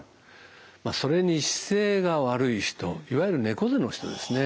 まあそれに姿勢が悪い人いわゆる猫背の人ですね。